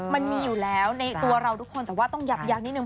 มันมีอยู่แล้วในตัวเราทุกคนแต่ว่าต้องยับยั้งนิดนึ